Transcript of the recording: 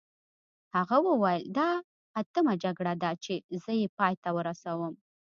هغه وویل دا اتمه جګړه ده چې زه یې پای ته رسوم.